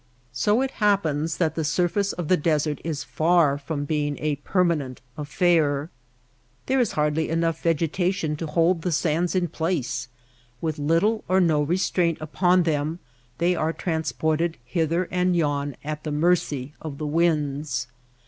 So it happens that the surface of the THE MAKE OF THE DESERT desert is far from being a permanent affair. There is hardly enough vegetation to hold the sands in place. With little or no restraint upon them they are transported hither and yon at the mercy of the winds.